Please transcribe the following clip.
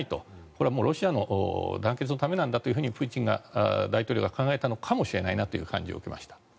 これはロシアの団結のためなんだとプーチン大統領は考えたのかもしれないなという感じを受けました。